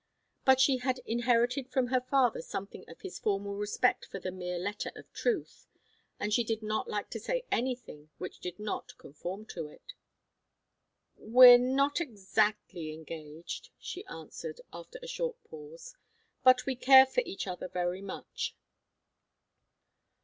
But she had inherited from her father something of his formal respect for the mere letter of truth, and she did not like to say anything which did not conform to it. "We're not exactly engaged," she answered, after a short pause. "But we care for each other very much."